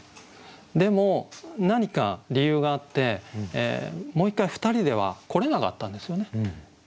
でも何か理由があってもう一回ふたりでは来れなかったんですよね。